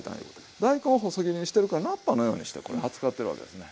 大根細切りにしてるから菜っぱのようにしてこれ扱ってるわけですね。